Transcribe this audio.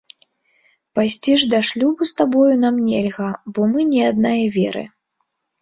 Пайсці ж да шлюбу з табою нам нельга, бо мы не аднае веры.